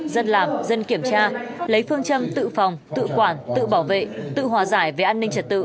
dân làm dân kiểm tra lấy phương châm tự phòng tự quản tự bảo vệ tự hòa giải về an ninh trật tự